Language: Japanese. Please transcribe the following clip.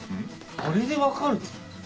「あれ」で分かるの？